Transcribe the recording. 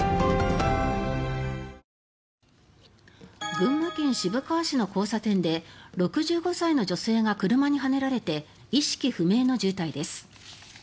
群馬県渋川市の交差点で６５歳の女性が車にはねられて意識不明の重体です。